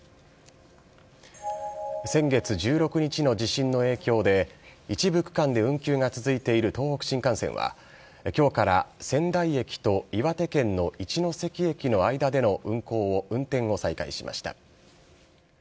先月１６日の地震の影響で、一部区間で運休が続いている東北新幹線は、きょうから仙台駅と岩手県の一ノ関駅の間での運転を再開しました。